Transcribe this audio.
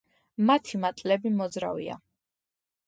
მათი მატლები მოძრავია.